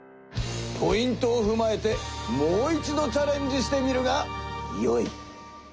ポイントをふまえてもう一度チャレンジしてみるがよい！